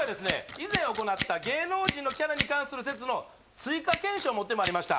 以前行った芸能人のキャラに関する説の追加検証を持ってまいりました